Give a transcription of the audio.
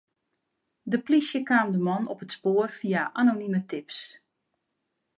De plysje kaam de man op it spoar fia anonime tips.